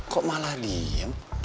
kok malah diem